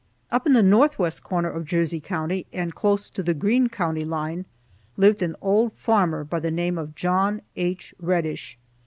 Up in the northwest corner of Jersey County and close to the Greene county line lived an old farmer by the name of John H. Reddish.